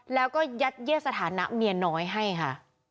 แล้วก็ยัดเยียดสถานะเมียน้อยให้ค่ะ